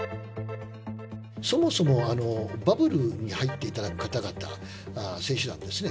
そもそもバブルに入っていただく方々、選手団ですね。